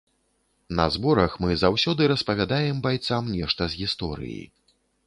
На зборах мы заўсёды распавядаем байцам нешта з гісторыі.